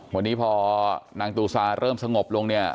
วันนี้พอนางตูซาเริ่มสงบลงเนี่ย